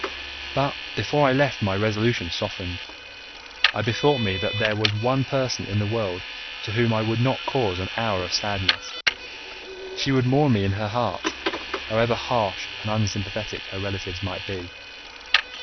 But before I left my resolution softened. I bethought me that there was one person in the world to whom I would not cause an hour of sadness. She would mourn me in her heart, however harsh and unsympathetic her relatives might be.